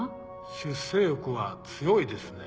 出世欲は強いですね。